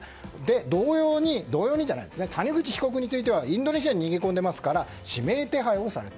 同様に、谷口被告についてはインドネシアに逃げ込んでいますから指名手配をされた。